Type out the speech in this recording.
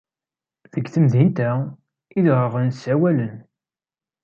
Deg temdint-a, idɣaɣen ssawalen.